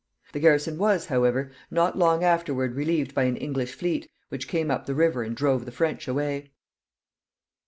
The garrison was, however, not long afterward relieved by an English fleet, which came up the river and drove the French away.